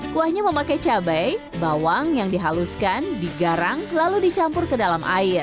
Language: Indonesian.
kuahnya memakai cabai bawang yang dihaluskan digarang lalu dicampur ke dalam air